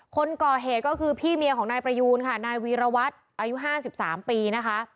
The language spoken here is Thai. คนก่อเหตุก็คือพี่เมียของนายประยูนค่ะนายวีรวัตรอายุ๕๓ปีนะคะ